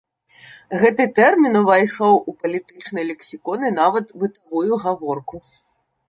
Гэты тэрмін увайшоў у палітычны лексікон і нават бытавую гаворку.